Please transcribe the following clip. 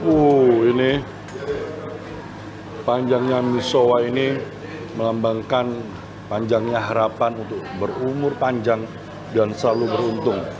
uh ini panjangnya misowa ini melambangkan panjangnya harapan untuk berumur panjang dan selalu beruntung